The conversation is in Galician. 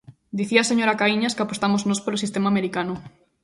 Dicía a señora Caíñas que apostamos nós polo sistema americano.